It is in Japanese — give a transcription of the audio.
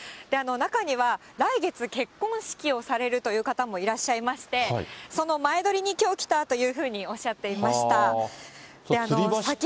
中には来月、結婚式をされるという方もいらっしゃいまして、その前撮りにきょう来たというふうにおっしゃっていました。